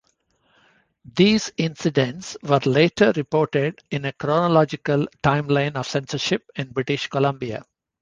These incidents were later reported in a chronological timeline of censorship in British Columbia.